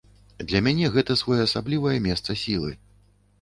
Для мяне гэта своеасаблівае месца сілы.